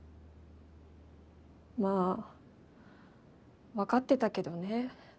まあ分かってたけどね。